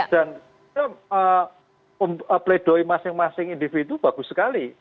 dan play doh masing masing individu bagus sekali